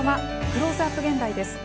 「クローズアップ現代」です。